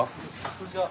こんにちは。